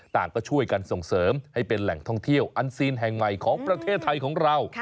ต่างก็ช่วยกันส่งเสริมให้เป็นแหล่งท่องเที่ยวอันซีนแห่งใหม่ของประเทศไทยของเรา